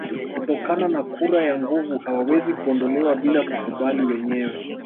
Kutokana na kura ya nguvu hawawezi kuondolewa bila kukubali wenyewe